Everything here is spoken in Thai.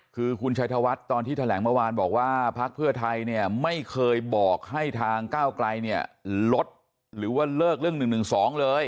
คือคุณชัยธวัฒน์ตอนที่แถลงเมื่อวานบอกว่าพักเพื่อไทยเนี่ยไม่เคยบอกให้ทางก้าวไกลเนี่ยลดหรือว่าเลิกเรื่อง๑๑๒เลย